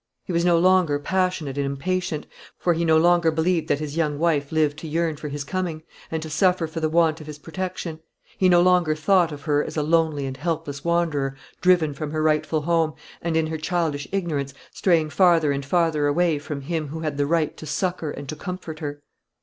He was no longer passionate and impatient, for he no longer believed that his young wife lived to yearn for his coming, and to suffer for the want of his protection; he no longer thought of her as a lonely and helpless wanderer driven from her rightful home, and in her childish ignorance straying farther and farther away from him who had the right to succour and to comfort her.